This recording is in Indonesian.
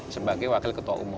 sebagai wakil ketua umum